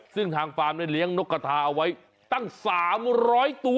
ซึ่งทางฟาร์มได้เลี้ยงนกกระทาเอาไว้ตั้ง๓๐๐ตัว